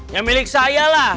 ya milik saya lah